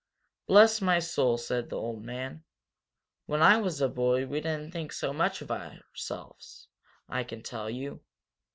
"Bless my soul!" said the old man. "When I was a boy we didn't think so much of ourselves, I can tell you!